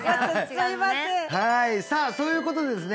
はいさあそういうことでですね